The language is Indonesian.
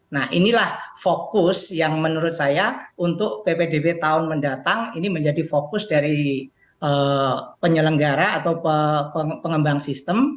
nah inilah fokus yang menurut saya untuk ppdb tahun mendatang ini menjadi fokus dari penyelenggara atau pengembang sistem